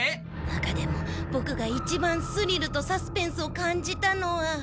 中でもボクがいちばんスリルとサスペンスを感じたのは。